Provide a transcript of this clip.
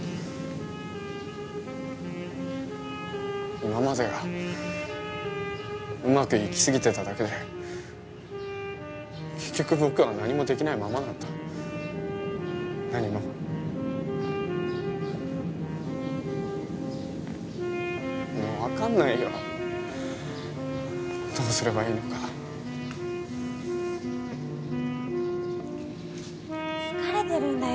今までがうまくいきすぎてただけで結局僕は何もできないままなんだ何ももう分かんないよどうすればいいのか疲れてるんだよ